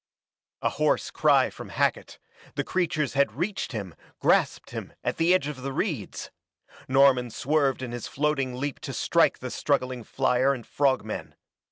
A hoarse cry from Hackett the creatures had reached him, grasped him at the edge of the reeds! Norman swerved in his floating leap to strike the struggling flier and frog men.